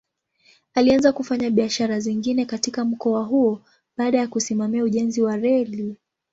Alianza kufanya biashara zingine katika mkoa huo baada ya kusimamia ujenzi wa reli.